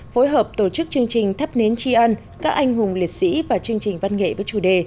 phối hợp tổ chức chương trình thắp nến tri ân các anh hùng liệt sĩ và chương trình văn nghệ với chủ đề